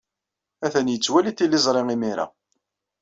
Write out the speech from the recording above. Atan yettwali tiliẓri imir-a.